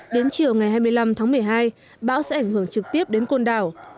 đến chiều ngày hai mươi năm tháng một mươi hai bão sẽ ảnh hưởng trực tiếp đến côn đảo